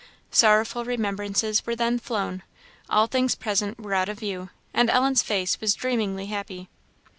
Sorrowful remembrances were then flown, all things present were out of view, and Ellen's face was dreamingly happy.